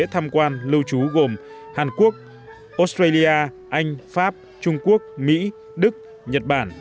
tham quan lưu trú gồm hàn quốc australia anh pháp trung quốc mỹ đức nhật bản